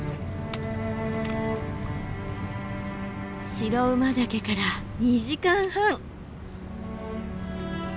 白馬岳から２時間半。